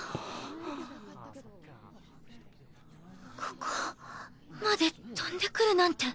ここまで跳んでくるなんて。